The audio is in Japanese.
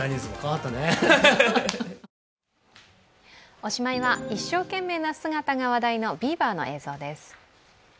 おしまいは一生懸命な姿が話題のビーバーの映像です。